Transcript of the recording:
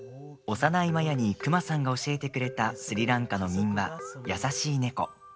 幼いマヤにクマさんが教えてくれたスリランカの民話「やさしい猫」。